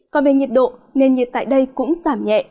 còn về nhiệt độ nền nhiệt tại đây cũng giảm nhẹ